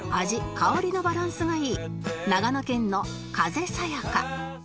香りのバランスがいい長野県の風さやか